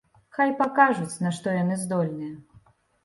Хай пакажуць на што яны здольныя.